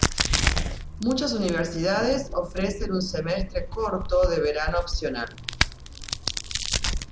Muchas universidades ofrecen un semestre corto de verano opcional.